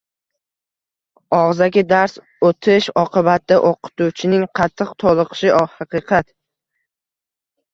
og‘zaki dars o‘tish oqibatida o‘qituvchining qattiq toliqishi – haqiqat.